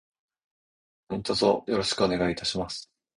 何卒よろしくお願いいたします。